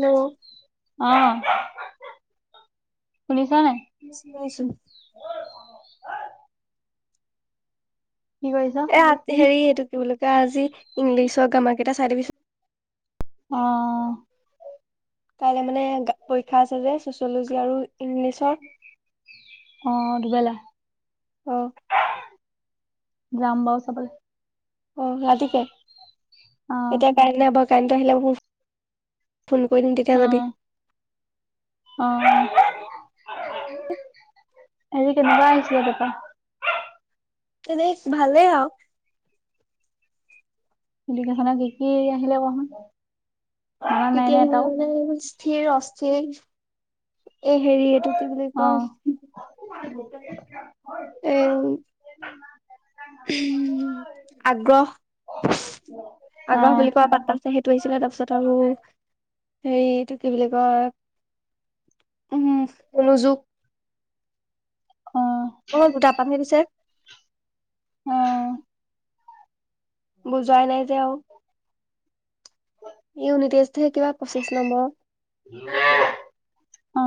ল। অ, শুনিছ নাই? [inaudible] শুনিছো। কি কৰিছ এ আত হেৰি এইটো কি বুলি কয় আজি ইংলিছৰ গামাৰ কেইটা চাই দিবিচোন [unintelligible] অ কাইলে মানে পৰীক্ষা আছে যে ছচিয়লজি আৰু ইংলিছৰ অ [inaudible] অ যাম বাও চাবলে অ ৰাতি কে অ এতিয়া কাইলে বা কাৰেনটো আহিলে [unintelligible] ফোন কৰি দিম তেতিয়া অ যাবি অ আজি কেনকা আহিছিলে পেপা এনেই ভালে আও [unintelligible] কি কি আহিলে কচোন মনত কি নাই কি নে এটাও আহিলে মানে স্থিৰ অস্থিৰ এ হেৰি এইটো কি বুলি অ ক এ আগ্ৰহ অ আগ্ৰহ বুলি কোৱা [unintelligible] আছে সেইটো আহিছিলে তাৰপিছত আৰু হেৰি কি বুলি কয় উম মনোযোগ অ [unintelligible] দুটা পামহে পিছে অ বুজোৱাই নাই যে আৰু ইউনিতেষ্ট হে কিবা অচিক্স নম্বৰ [unintelligible] অ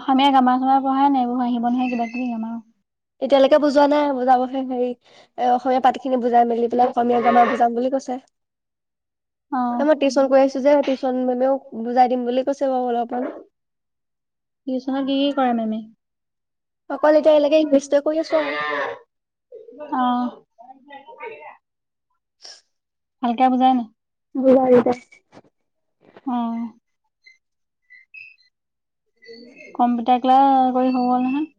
অসমীয়া গামা চামা পঢ়াই এইবোৰ আহিব নহয় কিবা কিবি গামা অ এতিয়ালৈকে বুজোৱা নাই বুজাবহে হেৰি এ অসমীয়া পাতি খিনি বুজাই মেলি পেলাই অসমীয়া গামা বুজাম বুলি কৈছে অ এ মই টিউশ্যন কৈ আছো যে টিউশ্যন মেমেও বুজাই দিম বুলি কৈছে বাৰু অলপমান টিউচনত কি কি কৰে মেমে অকল এতিয়া এতিয়ালৈকে ইংলিছটোৱে কৰি আছো অ [unintelligible] ভালকে বুজাই নাই আৰু। অ কম্পিউটাৰ ক্লাছ কৰি হ'ব নহয়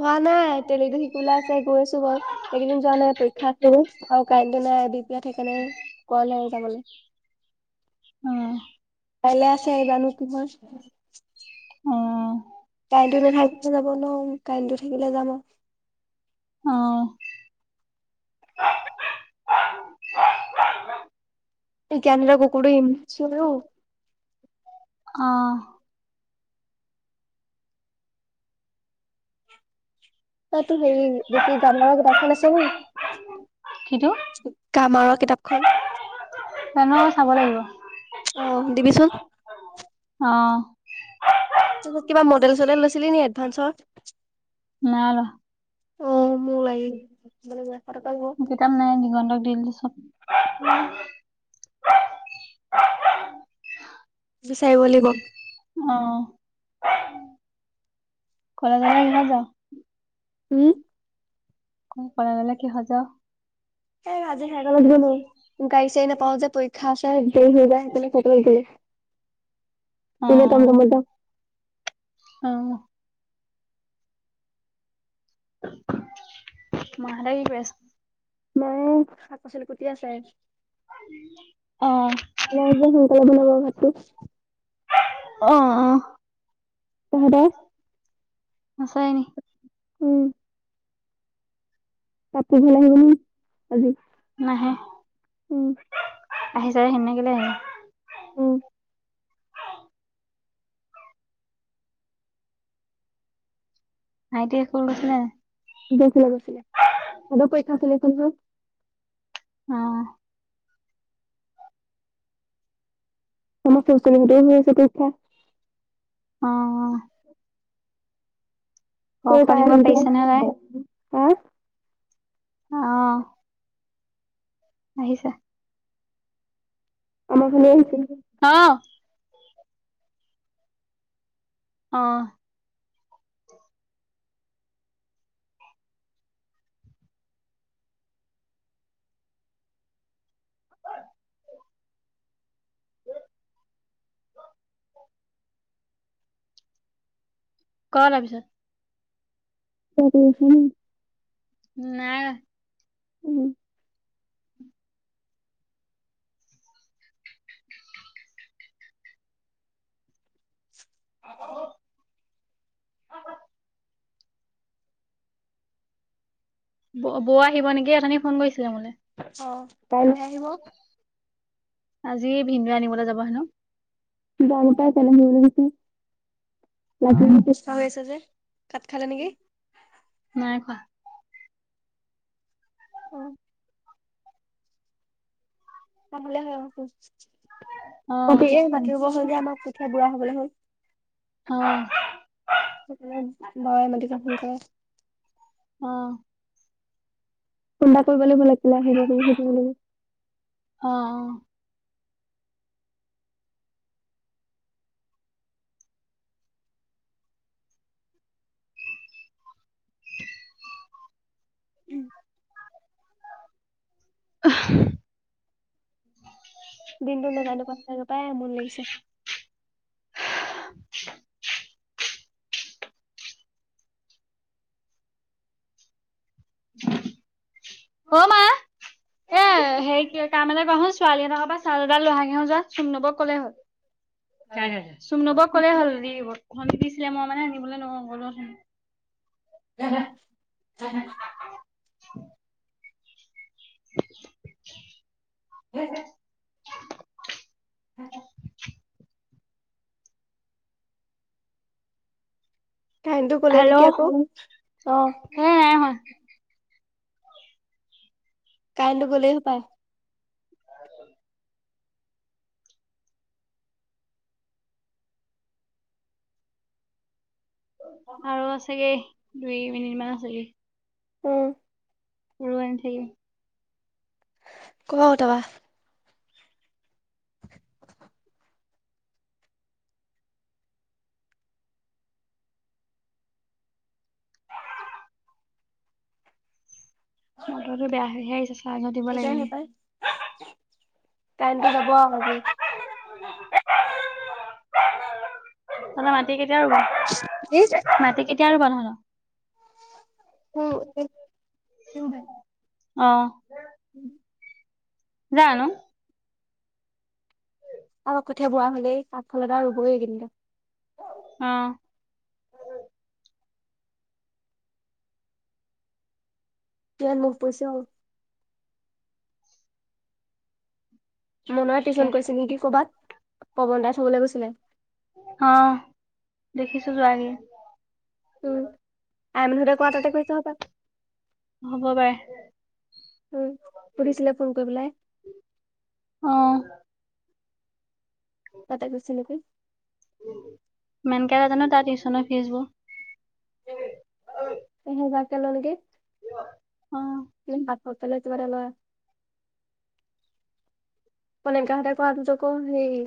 হোৱা নাই তেলিটো শিকিবলৈ আছে গৈ আছো বাও সেইকেইদিন যোৱা নাই পৰীক্ষা আছে যে আৰু কাইলে নাই [unintelligible] সেইকাৰণে কৰলে আৰু যাবলৈ কাইলে আছে জানো কি হয় [inaudible] অ কাইনটো নাথাকিলে যাব নোৱাওং কাইনটো থাকিলে যাব আহ জানৰ কুকুৰোম চ অ অ তাতো হেৰিতি গামাৰা কিতাপখন আছে কিটো ন গামাৰা কিতাপখন জানো চাব লাগিব অহ দিবিচোন অ তাৰছত কিবা মডেল চডেল লৈছিলি নি এডভান্সৰ নালোৱা অ মোক লাগি টকা ল'ব কিতাপ নাই দিগন্ত দি দিলো চব উম বিচাৰিব লাগিব অহ খোলা জেগা আহা যাও হোম কৰ পৰা জানো কিহত যাও সে আজি খাই গাল গাড়ী চাড়ী নাপাও যে পৰীক্ষা আছে দেৰি হৈ যায় সেইকাৰণে কতো নোসোমাও অ যাওঁ। অহ মাহেতে কি কৰি আছে মায়ে শাক পচলি কুটি আছে অ মাই যে সোনকালে বনাব ভাতটো অ অ তহতৰ আছাই নি উম পাপু ঘলে আহিব নেকি আজি উম আহ চাৰে হেনে গলে আহ উম ভাইটিয়ে ফন কৰিছিলে নাই গৈছিলে গৈছিলে সেতও পইক্ষা চলি আছে নহয় অ তমাৰ ফচ দেছে অ অ ক সেই খ তাই লিখিব পাৰিছে নে তাই হা অহ আহিছে আমাক ন চি অ অ ক তাৰ পিছত [unintelligible] নাই। উম। ভাত হল ব বৌ আহিব নেকি উথনি ফোন কৰিছিলে কিয় মানে। অহ, কাইলৈ আহিব। আজি ভিনদেউৱে আনিবলৈ যাব হেনু। [unintelligible] তাত অ [unintelligible] কাত খালে নেকি? নাই খোৱা অহ [unintelligible] [unintelligible] অ বুঢ়া হবলৈ হল। অ [unintelligible] কৰে। অ খুন্দা কৰিবলৈ ভাল লাগছিলে [unintelligible] অ অ অহ দিনটো নাজানো পত [unintelligible] আমনি লাগিছে। [inaudible] [inaudible] অ' মা এ' হেৰি কি কাম এটা কৰচোন ছোৱালী এদখৰ পা চাউল - দাইল লৈ আহাগে নু যোৱা চুম নবৌক কলে হ'ল। চুমনবৌক ক'লে হ'ল দি দিব। সমিতিছিলে মই মানে আনিবলৈ নগও গলো অথনি। [unintelligible] [inaudible] [unintelligible] কাৰেনটো গলেই হেল্ল' নেকি আকৌ অহ। এ নাই হোৱা কাৰেণ্টো গলেই হপায়। আৰু আছেগেই। দুই মিনিট মান আছেগে। উম ঊৰুবান থাকি কবা অটাবা। মটৰটো বেয়া হৈ আহিছে চাৰ্জত দিব লাগিব। কাৰেণ্টতো যাব আও আজি। তহঁতৰ মাটি কে [unintelligible] মাটি কেতিয়া এতিয়া আৰু বান্ধানা অ। অ। উম জানো। আৰু কঠীয়া বুঢ়া হলেই আগফালপা ৰুবই এইকেইদিনতে অ ইমান ৰদ পৰিছে অ মনুৱে তাকে টিউশ্যন কৰিছে নেকি ক'বাত পৱন দাই থবলে গৈছিলে। অ দেখিছো যোৱাগে। উম আইমানুহতে কৱা তাতে কৰিছ হপাই হ'ব পাই। উ সুধিছিলে ফোন কৰি পেলাই। অ তাতে গৈছে নেকি? মানকে জানো তাৰ টিউচনৰ ফিজবোৰ এহেজাৰ কে লয় নেকি? অ এনে হাতখচ বুলি কিবা এটা লয় আও কনেগা হতে কৰাটোত আকৌ হেৰি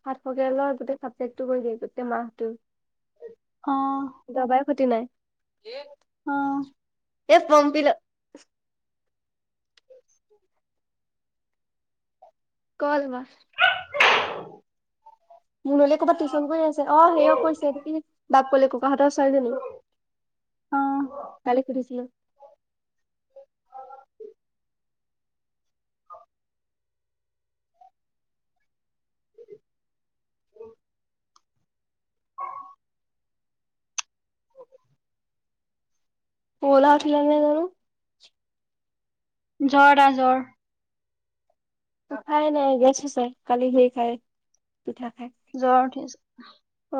সাতশকে লয় গোটেই চাবজেক্টটো কৰি দিয়ে গোটেই মাহটো। অহ। খতি নাই। কি এ পম্পি ল গল মা। মুনলী ক'ৰবাত টিউশ্যন কৰি আছে অ সেইয়া কৰিছে এইটো কি বাপকলি ককাহঁতৰ ছোৱালীজনী অ কালি সুধিছিলো। সৰুলআ উঠিলে নাই জানো? [unintelligible] জ্বৰ তাৰ জ্বৰ। নাই নাই গেছ হৈছে কালি সেই হয়। পিঠা খাই, জ্বৰ উঠিছে অ।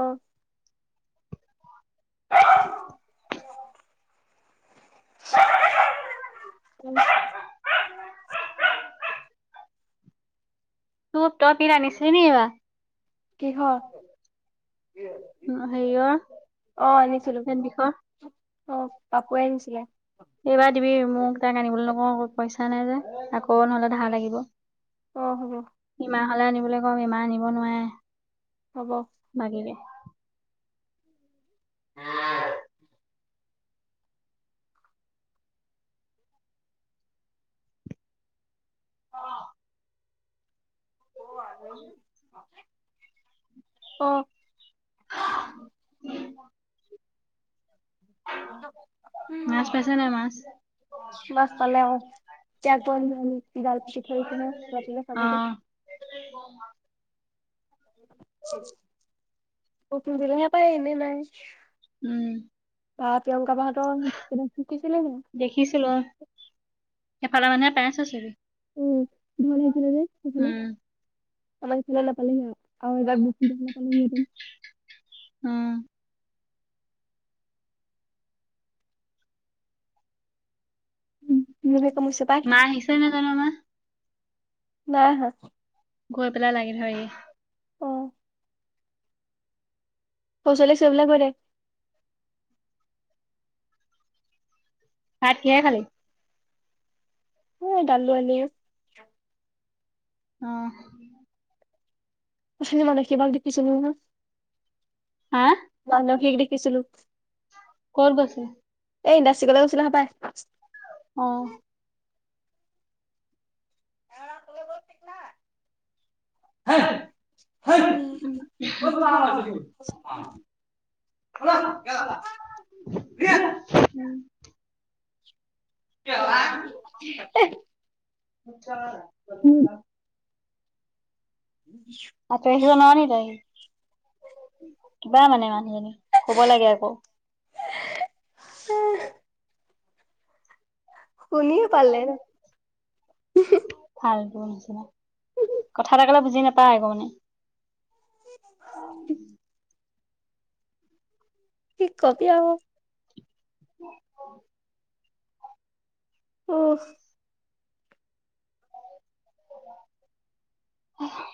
উ। তোৰ তই পিল আনিছিলি নি কিবা? কিহৰ হেৰিঅৰ পেট বিষৰ অঁ পাপুৱে আনিছিলে। এইবাৰ দিবি মোক তাক আনিবলৈ নকও আকৌ পইছা আশা নাই যে আকৌ নহ'লে ধাৰ লাগিব অ হব তালে আনিবলৈ ক'ম ইমান আনিব নোৱাৰে হ'ব লাগে নে বাঁ অঁ অঁ অহাই ন অঁ ক উম [unintelligible] উম মাছ পাইছে নাই মাছ মাছ পালে অঁ আৰু তাক কৰি আমি জাল পিটি থৈছে ন ৰাতিকৈ অ খাবগে দিলেহে পাই এনেই নাপাই উম তাত তেওঁ কাৰহঁতৰ শিকিছিলে নি এফালে মানুহে পাইছে আছে উম ভাল সেইফালে যে সফালে উম আমাৰ চুল ন পালিগ [unintelligible] আৰু এবাৰ বো বো উম উম কি কৈছে মা নিচে ন [unintelligible] মা নাই অহা গৈ পেলাই লাগি ধৰেহি অ পচল চবিলাক কৰে [unintelligible] ভাত কিহে খালী উম দালি, আলু এনে অঁ এ মানে কিবা দেখিছো ন হাঁ কত গৈছে এই ইডাচিকলে গৈছিলো হ পাই অহ অঁ তম ব ঠিক ন [unintelligible] স [unintelligible] [inaudible] চ [inaudible] আঁতৰি আহি নোৱাৰ নেকি তই কিবা মানে ইমান। হ'ব লাগে আকৌ। শুনিয়ে পালে ওহু। ফালটো কথা এ কলে বুজি নাপায় আকমানে। অ। কি কবি আও। উ [unintelligible] উফ। উহু।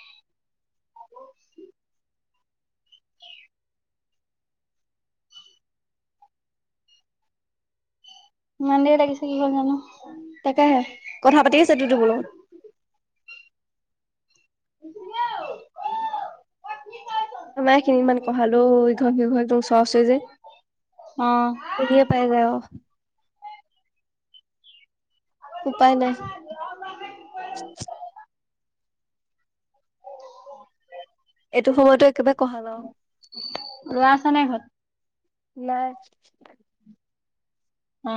মন্দে লাগিছে কি হয় জানো। তাকেহে কথা পাতি আছে তোৰ বোলো আমাৰ খিনি ইমান কঢ়ালো ইঘৰ সিঘৰ একদম ওচৰ আচৰি যে অ শুনিয়ে পাই যায় অ। উপায় নাই [unintelligible] এইটো সময়তো একেবাৰে কহা নাও। ল'ৰা আছে নাই ঘৰত নাই। অ।